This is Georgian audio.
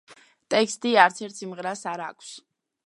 ტექსტი არც ერთი სიმღერას არ აქვს.